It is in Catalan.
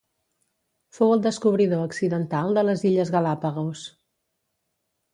Fou el descobridor accidental de les illes Galápagos.